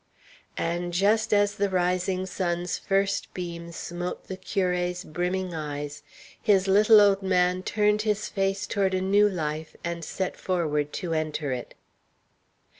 And just as the rising sun's first beam smote the curé's brimming eyes, his "little old man" turned his face toward a new life, and set forward to enter it.